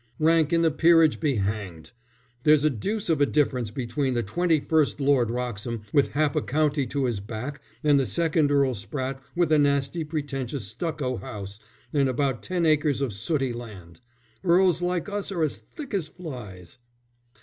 "Rank in the peerage be hanged! There's a deuce of a difference between the twenty first Lord Wroxham with half a county to his back and the second Earl Spratte with a nasty pretentious stucco house and about ten acres of sooty land. Earls like us are as thick as flies."